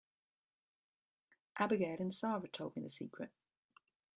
Abigail and Sara told me the secret.